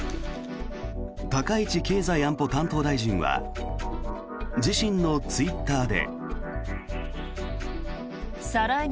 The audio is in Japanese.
高市経済安保担当大臣は自身のツイッターで。